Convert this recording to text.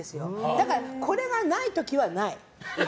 だから、これがない時はない。